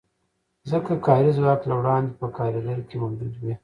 ځکه کاري ځواک له وړاندې په کارګر کې موجود وي